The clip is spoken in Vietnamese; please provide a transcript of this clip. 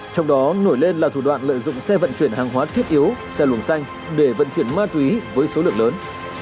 trong đó nổi lên là thủ đoạn lợi dụng xe vận chuyển hàng hóa thiết yếu xe luồng xanh để vận chuyển ma túy với số lượng lớn